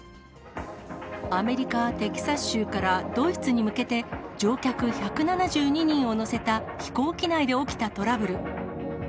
アメリカ・テキサス州からドイツに向けて、乗客１７２人を乗せた飛行機内で起きたトラブル。